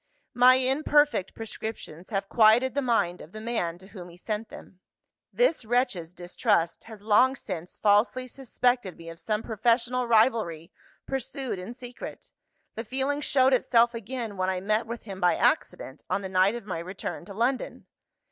"My imperfect prescriptions have quieted the mind of the man to whom he sent them. This wretch's distrust has long since falsely suspected me of some professional rivalry pursued in secret; the feeling showed itself again, when I met with him by accident on the night of my return to London.